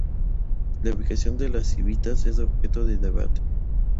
La ubicación de la civitas es objeto de debate.